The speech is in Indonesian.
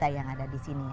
jadi yang ada di sini